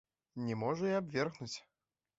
Не можа і абвергнуць.